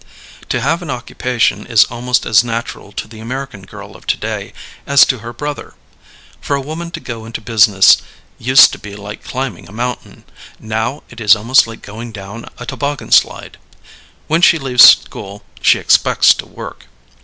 To have an occupation is almost as natural to the American girl of to day as to her brother. For a woman to go into business used to be like climbing a mountain; now it is almost like going down a toboggan slide. When she leaves school she expects to work.